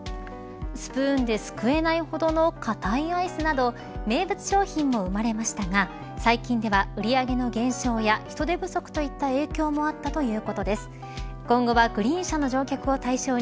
スプーンですくえないほどの硬いアイスなど名物商品も生まれましたが最近では売り上げの減少や人手不足といった影響も「髪顔体髪顔体